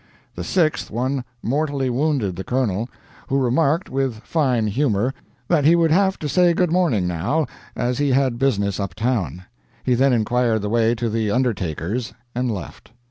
The sixth one mortally wounded the Colonel, who remarked, with fine humor, that he would have to say good morning now, as he had business uptown. He then inquired the way to the undertaker's and left.